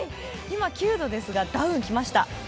今、９度ですが、ダウン着ました。